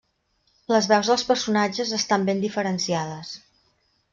Les veus dels personatges estan ben diferenciades.